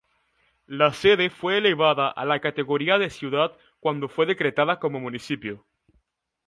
La sede fue elevada a la categoría de ciudad cuando fue decretada como municipio.